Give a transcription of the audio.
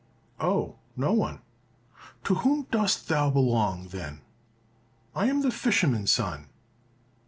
"Oh, no one." "To whom dost thou belong, then?" "I am the fisherman's son."